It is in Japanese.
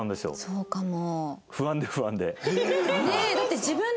そうかも。